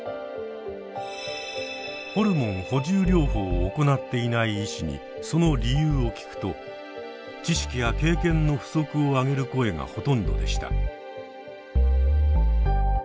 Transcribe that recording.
ホルモン補充療法を行っていない医師にその理由を聞くと知識や経験の不足をあげる声がほとんどでした。